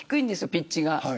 ピッチが。